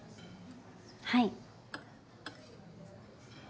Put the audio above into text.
はい。